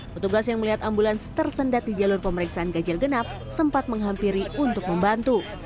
petugas yang melihat ambulans tersendat di jalur pemeriksaan ganjil genap sempat menghampiri untuk membantu